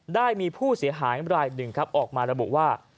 ได้มีผู้เสียหายรายหนึ่งครับออกมาระบุว่า